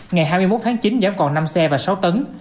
ngày hai mươi một tháng chín giảm còn năm xe và sáu tấn